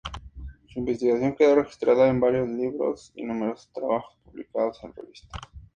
Su investigación quedó registrada en varios libros y numerosos trabajos publicados en revistas especializadas.